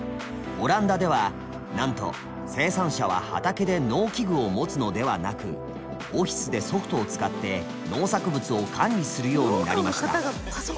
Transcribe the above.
オランダではなんと生産者は畑で農機具を持つのではなくオフィスでソフトを使って農作物を管理するようになりました。